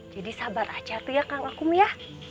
jadi sabar aja tuh ya kang akum ya